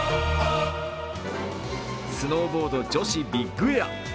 スノーボード女子ビッグエア。